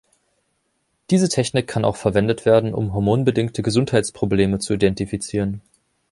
Diese Technik kann auch verwendet werden, um hormonbedingte Gesundheitsprobleme zu identifizieren.